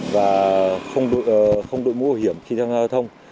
và không đổi mũ hiểm khi tham gia giao thông